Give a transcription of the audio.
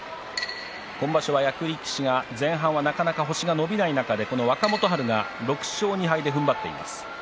今場所は役力士が前半なかなか星が伸びない中で若元春が６勝２敗でふんばっています。